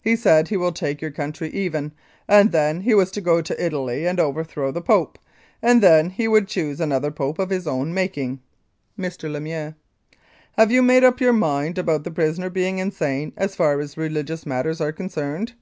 He said he will take your country even, and then he was to go to Italy and overthrow the Pope, and then he would choose another Pope of his own making." Mr. LEMIEUX: Have you made up your mind about the prisoner being insane as far as religious matters are concerned